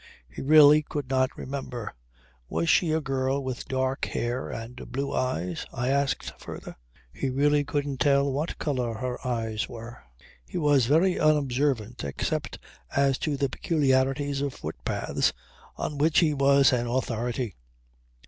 He really could not remember. Was she a girl with dark hair and blue eyes? I asked further. He really couldn't tell what colour her eyes were. He was very unobservant except as to the peculiarities of footpaths, on which he was an authority.